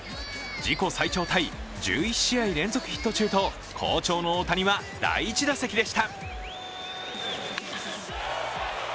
自己最長タイ、１１試合連続ヒット中と好調の大谷は、第１打席でした。